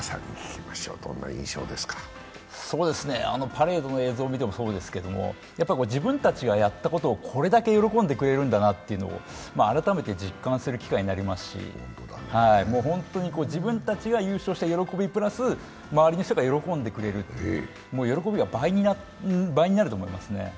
パレードの映像見てもそうなんですけど、自分たちがやったことを、これだけ喜んでくれるんだなというのを改めて実感する機会になりますし、自分たちが優勝した喜びプラス周りの人が喜んでくれると、もう喜びが倍になると思いますね。